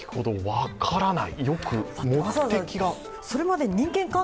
分からない。